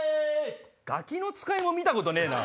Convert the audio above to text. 『ガキの使い』も見たことねえな。